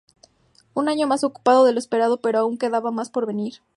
Un año más ocupado de lo esperado, pero aún quedaba más por venir.